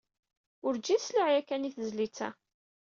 Urǧin sliɣ yakan i tezlit-a.